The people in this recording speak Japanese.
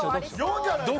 ４じゃないか？